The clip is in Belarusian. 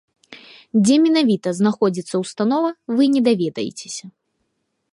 Дзе менавіта знаходзіцца установа, вы не даведаецеся.